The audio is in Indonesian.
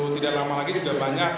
tidak lama lagi juga banyak